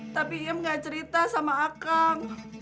tapi iem gak cerita sama akang